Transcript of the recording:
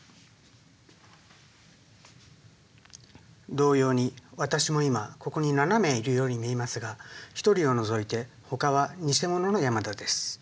同様に私も今ここに７名いるように見えますが一人を除いてほかはニセモノの山田です。